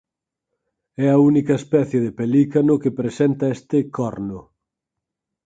É a única especie de pelicano que presenta este "corno".